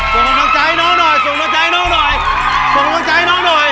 ส่งต้องใจให้น้องหน่อยส่งต้องใจให้น้องหน่อย